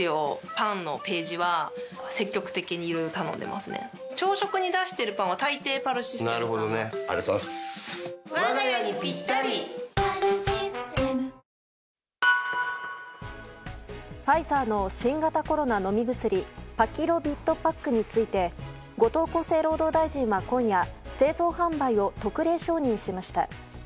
ノーマルヒルに続いてファイザーの新型コロナ飲み薬パキロビッドパックについて後藤厚生労働大臣は今夜製造販売を特例承認しました。